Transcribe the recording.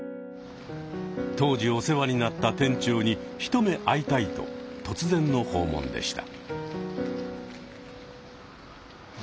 当時お世話になった店長に一目会いたいと突然の訪問でした。